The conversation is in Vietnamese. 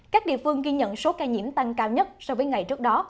các địa phương ghi nhận số ca nhiễm tăng cao nhất so với ngày trước đó